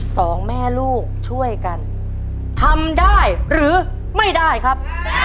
สองแม่ลูกช่วยกันทำได้หรือไม่ได้ครับ